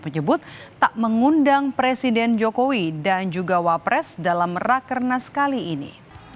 menyebut tak mengundang presiden jokowi dan juga wapres dalam rakernas kali ini